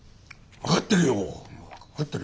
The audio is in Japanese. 分かってるよ。